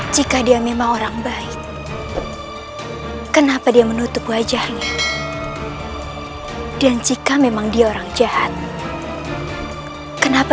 jika dia memang orang baik kenapa dia menutup wajahnya dan jika memang dia orang jahat kenapa